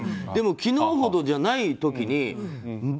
でも、昨日ほどじゃない時に。